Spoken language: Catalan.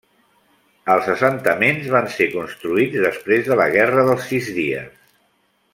Els assentaments van ser construïts després de la Guerra dels Sis Dies.